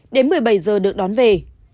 đến một mươi bảy giờ được đón về